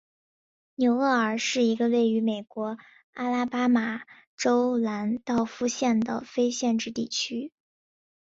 纽厄尔是一个位于美国阿拉巴马州兰道夫县的非建制地区。